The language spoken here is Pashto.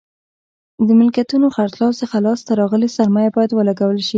د ملکیتونو خرڅلاو څخه لاس ته راغلې سرمایه باید ولګول شي.